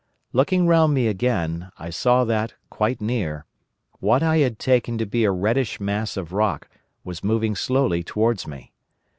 Looking round me again, I saw that, quite near, what I had taken to be a reddish mass of rock was moving slowly towards me.